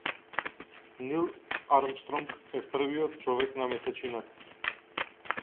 Нил Армстронг е првиот човек на месечината.